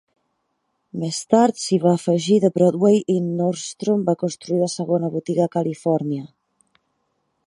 Més tard, s'hi va afegir The Broadway i Nordstrom va construir la segona botiga a Califòrnia.